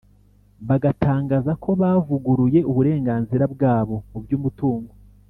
bagatangaza ko bavuguruye uburenganzira bwabo mu by’umutungo.